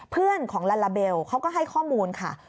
เพื่อนของลาลาเบลเขาก็ให้ข้อมูลค่ะ